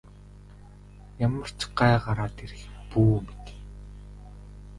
Ямар ч гай гараад ирэх юм бүү мэд.